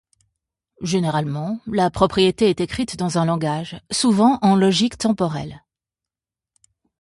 Généralement, la propriété est écrite dans un langage, souvent en logique temporelle.